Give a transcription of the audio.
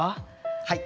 はい。